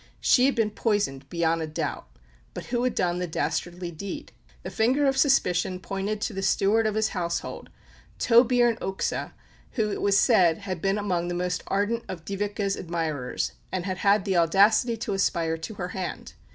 She had been poisoned beyond a doubt; but who had done the dastardly deed? The finger of suspicion pointed to the steward of his household, Torbern Oxe, who, it was said, had been among the most ardent of Dyveke's admirers, and had had the audacity to aspire to her hand.